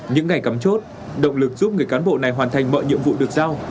những ngày cắm chốt động lực giúp người cán bộ này hoàn thành mọi nhiệm vụ được giao